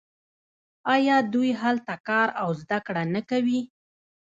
آیا دوی هلته کار او زده کړه نه کوي؟